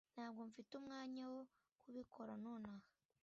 Ntabwo mfite umwanya wo kubikora nonaha